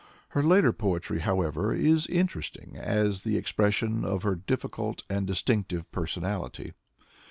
Her later poetry, however, is interesting as the expression of her difficult and distinctive personality.